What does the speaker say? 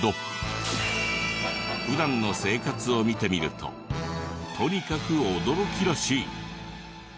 普段の生活を見てみるととにかく驚きらしい。